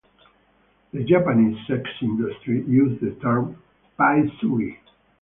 The Japanese sex industry uses the term "paizuri".